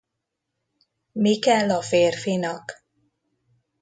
Mi kell a férfinak?